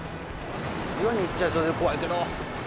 岩に行っちゃいそうで怖いけど。